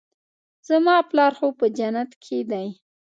زما پلار خو په جنت کښې دى.